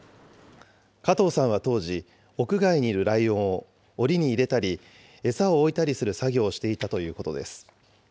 加藤さんは当時、屋外にいるライオンをおりに入れたり、餌を置いたりする作業をしていたということです。